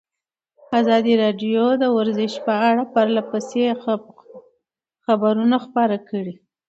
ازادي راډیو د ورزش په اړه پرله پسې خبرونه خپاره کړي.